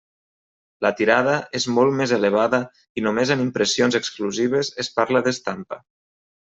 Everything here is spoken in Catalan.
La tirada és molt més elevada i només en impressions exclusives es parla d'estampa.